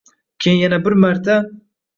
Keyin yana bir marta.